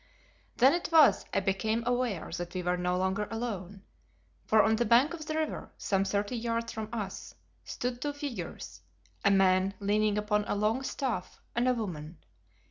Then it was I became aware that we were no longer alone, for on the bank of the river, some thirty yards from us, stood two figures, a man leaning upon a long staff and a woman.